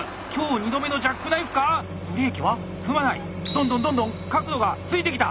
どんどんどんどん角度がついてきた！